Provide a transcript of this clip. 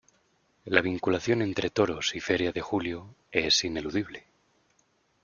La vinculación entre toros y Feria de Julio es ineludible.